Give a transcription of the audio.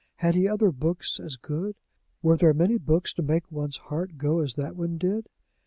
Had he other books as good? Were there many books to make one's heart go as that one did?